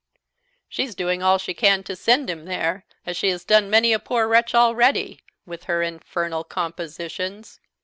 "She's doing all she can to send him there, as she has done many a poor wretch already, with her infernal compositions."